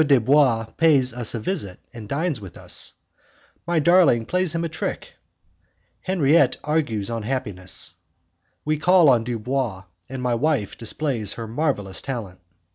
Dubois Pays Us a Visit and Dines with Us; My Darling Plays Him a Trick Henriette Argues on Happiness We Call on Dubois, and My Wife Displays Her Marvellous Talent M.